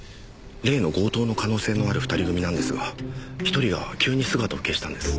例の強盗の可能性のある二人組なんですが１人が急に姿を消したんです。